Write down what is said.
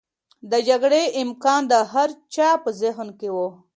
د جګړې امکان د هر چا په ذهن کې و.